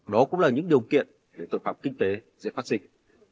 đó cũng là những điều kiện để tội phạm kinh tế dễ phát sinh